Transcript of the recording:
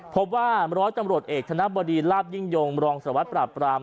เพราะว่ามร้อยจำรวจเอกธนบดีลาบยิ่งโยงมรองสลวทปราบปราม